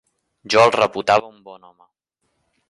Jo el reputava un bon home.